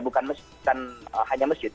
bukan hanya masjid